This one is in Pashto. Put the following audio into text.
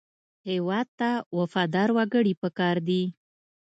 هېواد ته وفادار وګړي پکار دي